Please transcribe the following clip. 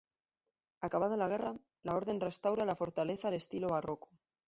Acabada la guerra, la Orden restaura la fortaleza al estilo barroco.